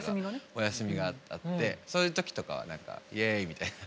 お休みがあってそういう時とかはイエイみたいな。